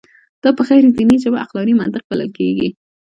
دا په غیر دیني ژبه عقلاني منطق بلل کېږي.